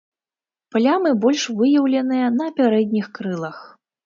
Плямы больш выяўленыя на пярэдніх крылах.